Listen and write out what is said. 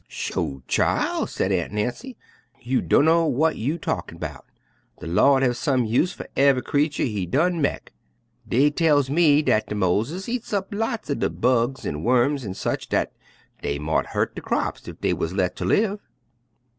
"Sho', chil'!" said Aunt Nancy, "you dunno w'at you talkin' 'bout; de Lawd have some use fer ev'y creetur He done mek. Dey tells me dat de moleses eats up lots er bugs an' wu'ms an' sech ez dat, dat mought hurt de craps ef dey wuz let ter live.